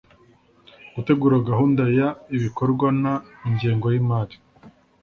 gutegura gahunda y ibikorwa n ingengo y imali